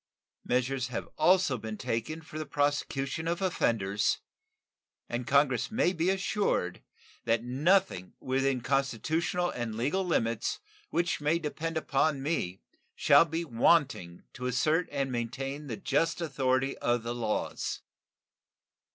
Measures have also been taken for the prosecution of offenders, and Congress may be assured that nothing within constitutional and legal limits which may depend upon me shall be wanting to assert and maintain the just authority of the laws.